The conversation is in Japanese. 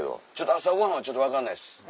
朝ごはんちょっと分かんないです